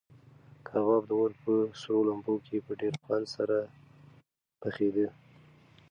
کباب د اور په سرو لمبو کې په ډېر خوند سره پخېده.